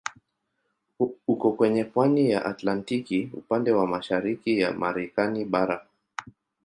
Uko kwenye pwani ya Atlantiki upande wa mashariki ya Marekani bara.